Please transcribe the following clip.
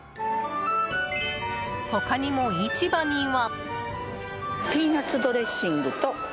他にも市場には。